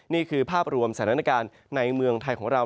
นี่คือภาพรวมสถานการณ์ในเมืองไทยของเรา